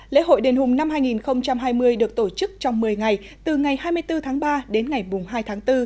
lễ hội đền hùng năm hai nghìn hai mươi được tổ chức trong một mươi ngày từ ngày hai mươi bốn tháng ba đến ngày hai tháng bốn